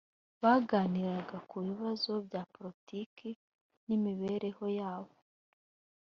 baganiraga ku bibazo bya poritiki n imibereho yabo